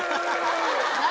何？